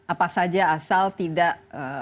apa saja asal tidak